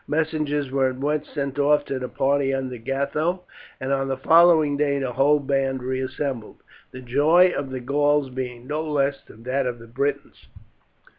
Messengers were at once sent off to the party under Gatho, and on the following day the whole band reassembled, the joy of the Gauls being no less than that of the Britons.